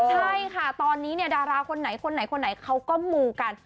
ใช่ค่ะตอนนี้เนี่ยดาราคนไหนคนไหนคนไหนเขาก็มูกัน